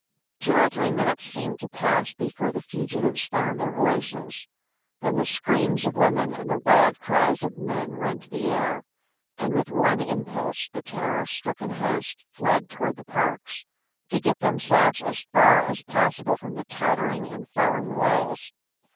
Two or three minutes seemed to pass before the fugitives found their voices. Then the screams of women and the wild cries of men rent the air, and with one impulse the terror stricken host fled toward the parks, to get themselves as far as possible from the tottering and falling walls.